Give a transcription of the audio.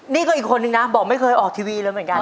นี่ก็อีกคนนึงนะบอกไม่เคยออกทีวีเลยเหมือนกัน